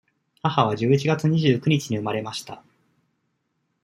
母は十一月二十九日に生まれました。